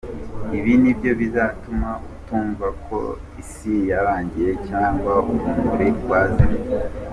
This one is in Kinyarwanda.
Ibi nibyo bizatuma utumva ko isi yarangiye cyangwa urumuri rwazimye.